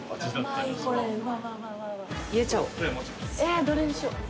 どれにしよう。